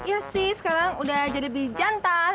ya sih sekarang udah jadi lebih jantan